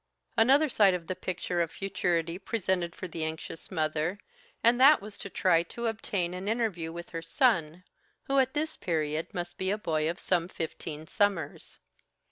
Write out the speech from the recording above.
Another side the picture of futurity presented for the anxious mother, and that was to try and obtain an interview with her son, who at this period must be a boy of some fifteen summers.